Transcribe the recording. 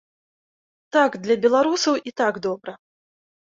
Так, для беларусаў і так добра.